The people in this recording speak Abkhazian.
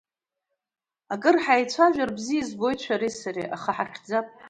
Акыр ҳаицәажәар бзиа избоит шәареи сареи, аха ҳахьӡап.